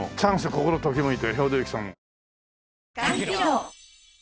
心ときめいて』。